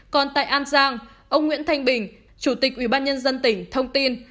còn tại an giang ông nguyễn thanh bình chủ tịch ủy ban nhân dân tỉnh thông tin